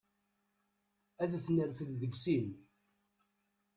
Ad t-nerfed deg sin.